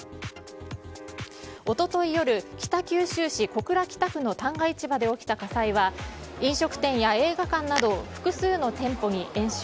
一昨日夜、北九州市小倉北区の旦過市場で起きた火災は飲食店や映画館など複数の店舗に延焼。